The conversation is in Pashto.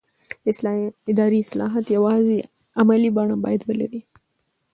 اداري اصلاحات یوازې عملي بڼه باید ولري